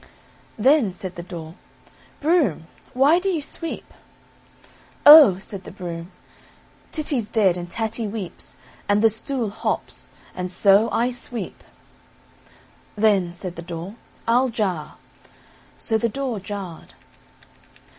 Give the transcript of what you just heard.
"Then," said the door, "Broom, why do you sweep?" "Oh!" said the broom, "Titty's dead, and Tatty weeps, and the stool hops, and so I sweep;" "Then," said the door, "I'll jar," so the door jarred.